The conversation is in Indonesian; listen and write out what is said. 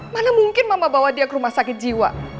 mana mungkin mama bawa dia ke rumah sakit jiwa